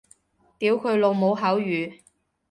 屌佢老母口語